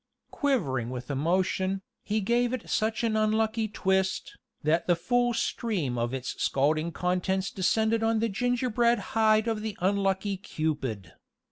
Quivering with emotion, he gave it such an unlucky twist, that the full stream of its scalding contents descended on the gingerbread hide of the unlucky Cupid.